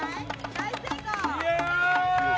大成功！